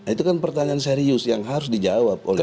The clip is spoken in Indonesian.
itu kan pertanyaan serius yang harus dijawab oleh